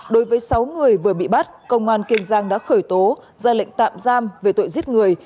đối với sáu người vừa bị bắt công an kiên giang đã khởi tố ra lệnh tạm giam về tội giết người